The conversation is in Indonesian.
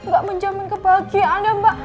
gak menjamin kebahagiaan ya mbak